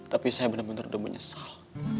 tapi saya benar benar menyesal